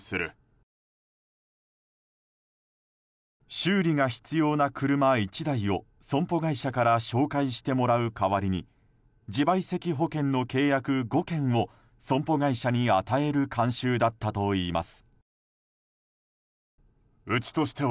修理が必要な車１台を損保会社から紹介してもらう代わりに自賠責保険の契約５件を損保会社に与える慣習だったといいます。